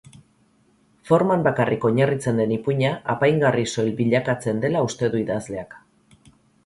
Forman bakarrik oinarritzen den ipuina apaingarri soil bilakatzen dela uste du idazleak.